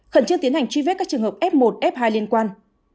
khẩn trương tiến hành truy vết các trường hợp f một f hai liên quan